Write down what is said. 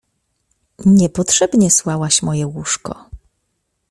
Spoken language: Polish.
— Niepotrzebnie słałaś moje łóżko.